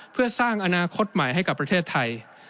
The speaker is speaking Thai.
เพื่อสร้างอนาคตใหม่ให้กับประเทศไทย